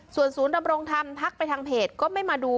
ส่วนศูนย์ดำรงธรรมทักไปทางเพจก็ไม่มาดู